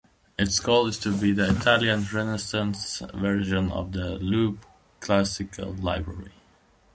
Its goal is to be the Italian Renaissance version of the Loeb Classical Library.